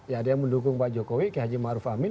ya ada yang mendukung pak jokowi k h maruf amin